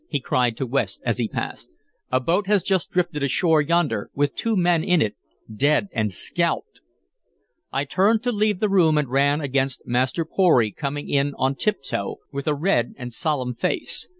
he cried to West as he passed. "A boat has just drifted ashore yonder, with two men in it, dead and scalped!" I turned to leave the room, and ran against Master Pory coming in on tiptoe, with a red and solemn face.